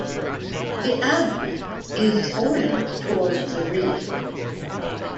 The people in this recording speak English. The abdomen is orange towards the rear.